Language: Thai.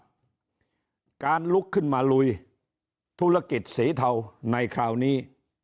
มันจะรวมไปถึงการปราบปรามส่วนของการลุกขึ้นมาลุยธุรกิจสีเทาในคราวนี้